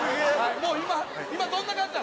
もう今今どんな感じなん？